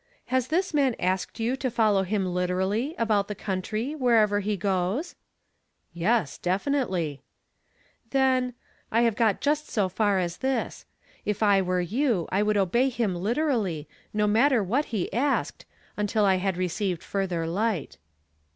Has this man asked you to follow him literally, about the country, wherever he goes ?" "Yes, definitely." " Then — I have got just so far as this. If I were you, I would obey him literally, no matter what he asked, until I had received further light."